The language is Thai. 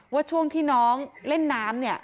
ว่าช่วงที่น้องเล่นน้ำเนี่ย